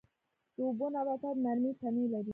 د اوبو نباتات نرمې تنې لري